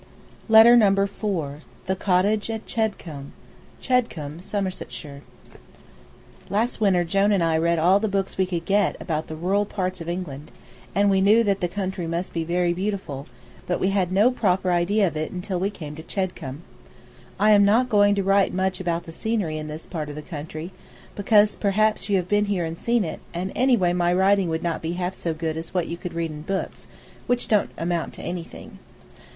Letter Number Four CHEDCOMBE, SOMERSETSHIRE Last winter Jone and I read all the books we could get about the rural parts of England, and we knew that the country must be very beautiful, but we had no proper idea of it until we came to Chedcombe. I am not going to write much about the scenery in this part of the country, because, perhaps, you have been here and seen it, and anyway my writing would not be half so good as what you could read in books, which don't amount to anything.